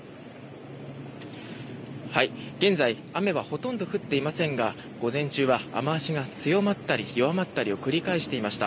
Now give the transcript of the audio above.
現在雨はほとんど降っていませんが午前中は雨脚が強まったり弱まったりを繰り返していました。